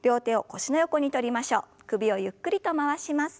首をゆっくりと回します。